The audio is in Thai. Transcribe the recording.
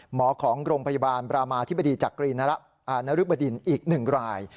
หมอของโรงพยาบาลบรามาธิบดีจากนรึบดินอีก๑ราย